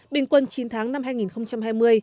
bình quân chín tháng năm hai nghìn hai mươi